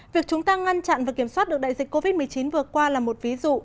việc chúng ta ngăn chặn và kiểm soát được đại dịch covid một mươi chín vừa qua là một ví dụ